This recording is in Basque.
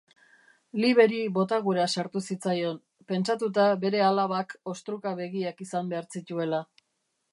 Liberi botagura sartu zitzaion, pentsatuta bere alabak ostruka-begiak izan behar zituela.